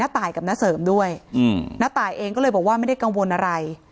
ตายกับน้าเสริมด้วยณตายเองก็เลยบอกว่าไม่ได้กังวลอะไร